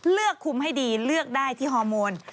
เลือกคุมให้ดีเลือกได้ที่ฮอร์โมน